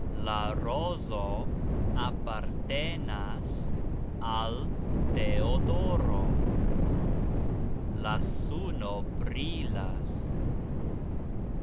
La rozo apartenas al Teodoro. La suno brilas.